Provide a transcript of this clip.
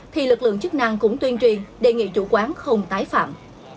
thì lực lượng chức năng cũng tuyên truyền đề nghị chủ quán không tái phạm